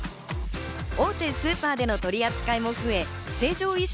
大手スーパーでの取り扱いも増え、成城石井